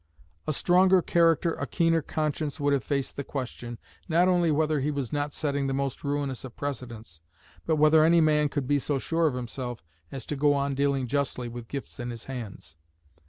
A stronger character, a keener conscience, would have faced the question, not only whether he was not setting the most ruinous of precedents, but whether any man could be so sure of himself as to go on dealing justly with gifts in his hands.